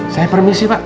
saya permisi pak